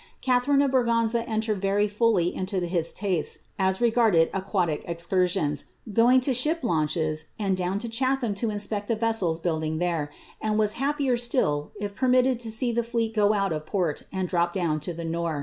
Catharine of Bn ganza entered very fully into his tastes as regarded aquatic excurrioos, going to ship launches, and down to Chatham to inspect the veuek building there, and was happier still if permitted to see the fleet go oat of port and drop down to the Nore.